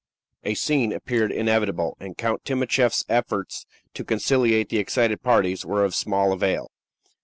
A scene appeared inevitable, and Count Timascheff's efforts to conciliate the excited parties were of small avail.